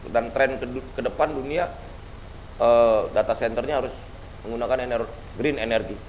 dan tren kedepan dunia data centernya harus menggunakan energi green energy